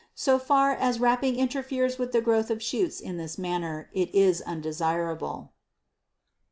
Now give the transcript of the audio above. So far as wrapping interferes with the growth of shoots in this manner it is undesirable.